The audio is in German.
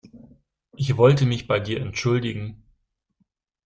Ich wollte mich bei dir entschuldigen.